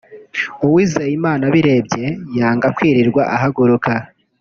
Uwizeyimana abirebye yanga kwirirwa ahaguruka